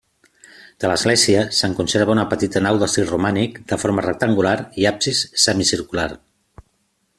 De l'església, se'n conserva una petita nau d'estil romànic, de forma rectangular i absis semicircular.